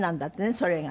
それが。